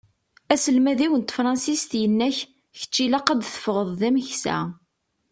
Aselmad-iw n tefransist yenna-k: Kečč ilaq ad d-teffɣeḍ d ameksa.